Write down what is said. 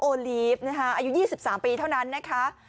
ลีฟนะคะอายุ๒๓ปีเท่านั้นนะคะ